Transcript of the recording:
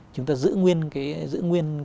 chúng ta giữ nguyên cái